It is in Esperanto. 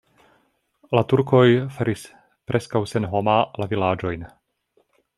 La turkoj faris preskaŭ senhoma la vilaĝojn.